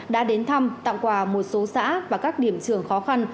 đã đến thăm tặng quà một số xã và các điểm trường khó khăn